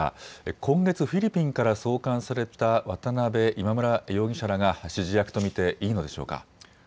今月フィリピンから送還された渡邉、今村容疑者らが指示役と見ていいのでしょうか。